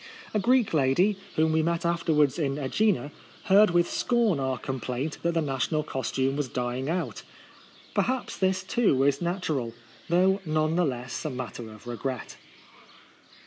A Greek lady, whom we met afterwards in ^Egina, heard with scorn our complaint that the national costume was dying out. Perhaps this too is natural, though none the less a matter of regret.